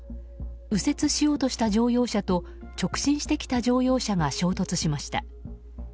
右折しようとした乗用車と直進してきた乗用車が衝突しました。